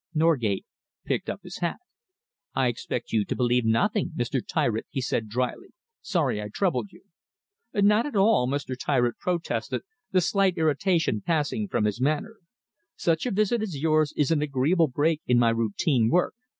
Norgate picked up his hat. "I expect you to believe nothing, Mr. Tyritt," he said drily. "Sorry I troubled you." "Not at all," Mr. Tyritt protested, the slight irritation passing from his manner. "Such a visit as yours is an agreeable break in my routine work.